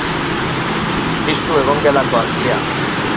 Piztu egongelako argia.